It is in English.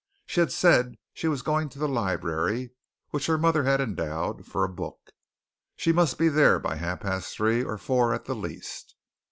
She had said she was going to the library, which her mother had endowed, for a book. She must be there by half past three or four at the least.